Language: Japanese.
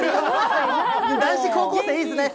男子高校生、いいですね。